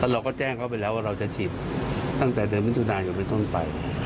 เราก็แจ้งเขาไปแล้วว่าเราจะฉีดตั้งแต่เดือนมิถุนายนเป็นต้นไป